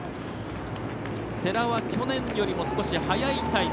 世羅は去年より少し速いタイム。